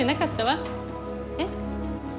えっ？